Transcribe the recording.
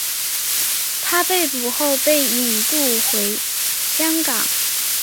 他被捕后被引渡回香港。